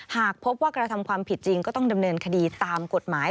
หากพบว่ากระทำความผิดจริงก็ต้องดำเนินคดีตามกฎหมาย